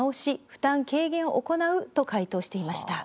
負担軽減を行うと回答していました。